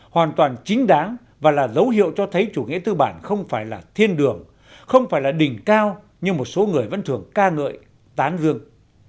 hoàn toàn chính đáng và là dấu hiệu cho thấy chủ nghĩa tư bản không phải là thiên đường không phải là đỉnh cao nhưng một số người vẫn thường ca ngợi tán dương